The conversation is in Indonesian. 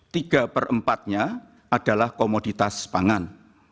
tiga per empatnya adalah komoditas pangan